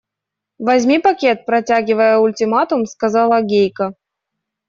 – Возьми пакет, – протягивая ультиматум, сказал Гейка.